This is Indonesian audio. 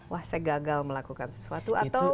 wah saya gagal melakukan sesuatu atau